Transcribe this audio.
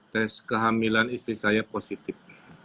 tes kehamilan istri saya positif